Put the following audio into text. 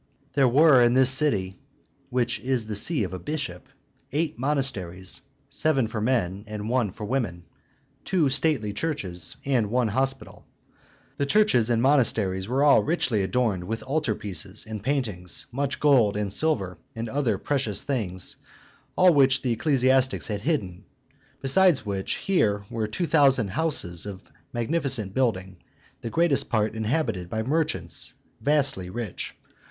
There were in this city (which is the see of a bishop) eight monasteries, seven for men, and one for women; two stately churches, and one hospital. The churches and monasteries were all richly adorned with altar pieces and paintings, much gold and silver, and other precious things, all which the ecclesiastics had hidden. Besides which, here were two thousand houses of magnificent building, the greatest part inhabited by merchants vastly rich.